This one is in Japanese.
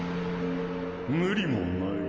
無理もない。